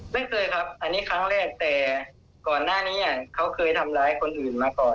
ไม่เคยครับอันนี้ครั้งแรกแต่ก่อนหน้านี้เขาเคยทำร้ายคนอื่นมาก่อน